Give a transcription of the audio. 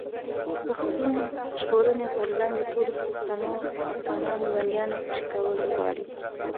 پښتون ژغورني غورځنګ د ټولو پښتنو افغانانو بنديانو خوشي کول غواړي.